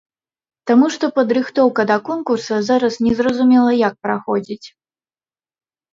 Таму што падрыхтоўка да конкурса зараз незразумела як праходзіць!